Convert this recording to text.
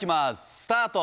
スタート！